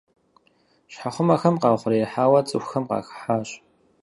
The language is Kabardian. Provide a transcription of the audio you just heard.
Щхьэхъумэхэм къаухъуреихьауэ цӏыхухэм къахыхьащ.